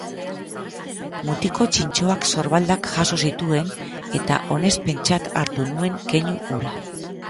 Mutiko txintxoak sorbaldak jaso zituen eta onespentzat hartu nuen keinu hura.